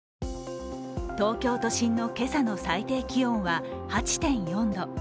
東京都心の今朝の最低気温は８．４度。